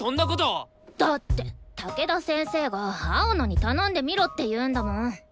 だって武田先生が青野に頼んでみろって言うんだもん。